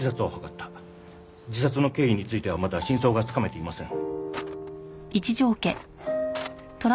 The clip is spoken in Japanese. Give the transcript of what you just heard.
自殺の経緯についてはまだ真相がつかめていません。